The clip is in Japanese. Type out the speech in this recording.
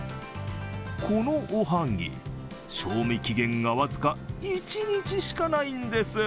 このおはぎ、賞味期限が僅か一日しかないんです。